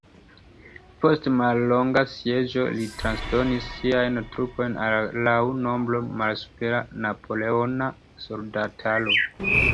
Post mallonga sieĝo, li transdonis siajn trupojn al la laŭ nombro malsupera napoleona soldataro.